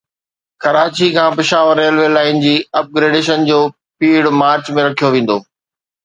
ڪراچي کان Peshawar railway line جي upgradation جو پيڙهه مارچ ۾ رکيو ويندو